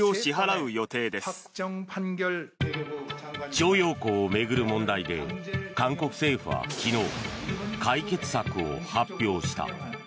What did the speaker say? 徴用工を巡る問題で韓国政府は昨日解決策を発表した。